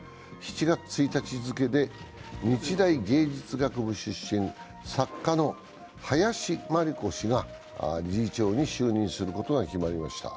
７月１日付で日大芸術学部出身、作家の林真理子氏が理事長に就任することが決まりました。